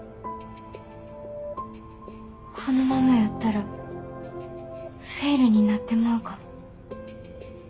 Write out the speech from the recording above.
このままやったらフェイルになってまうかも。